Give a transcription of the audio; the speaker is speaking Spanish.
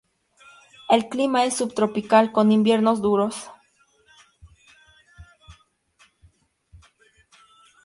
El clima es subtropical, con inviernos duros.